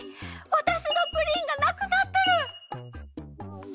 わたしのプリンがなくなってる！